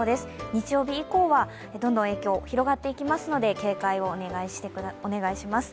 日曜日以降はどんどん影響が広がっていきますので、警戒をお願いします。